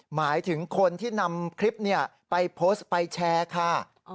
หมายถึงคนที่นำคลิปไปโพสต์ไปแชร์ค่ะ